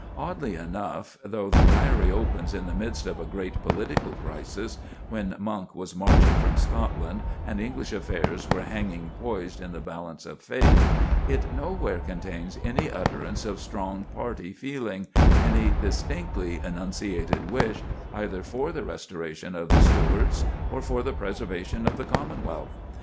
Oddly enough, though the Diary opens in the midst of a great political crisis—when Monk was marching from Scotland, and English affairs were hanging poised in the balance of fate,—it nowhere contains any utterance of strong party feeling, any distinctly enunciated wish, either for the restoration of the Stuarts or for the preservation of the Commonwealth.